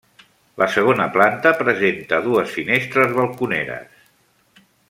La segona planta presenta dues finestres balconeres.